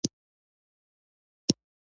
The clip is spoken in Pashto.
کورس د ځان باور زیاتوي.